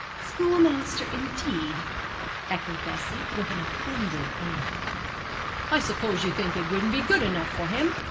'Schoolmaster, indeed?' echoed Bessie, with an offended air. 'I suppose you think it wouldn't be good enough for him?